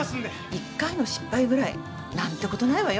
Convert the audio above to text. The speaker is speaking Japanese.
一回の失敗ぐらい何てことないわよ。